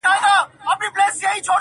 د همت ږغ مو په کل جهان کي خپور وو!.